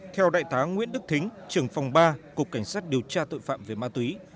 theo đại tá nguyễn đức thính trưởng phòng ba cục cảnh sát điều tra tội phạm về ma túy